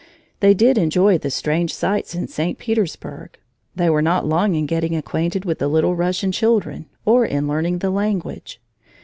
They did enjoy the strange sights in St. Petersburg! They were not long in getting acquainted with the little Russian children or in learning the language.